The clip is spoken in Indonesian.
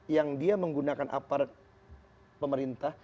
yang dia menggunakan apart pemerintah